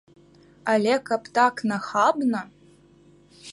Але каб так нахабна!